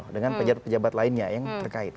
dengan pejabat pejabat lainnya yang terkait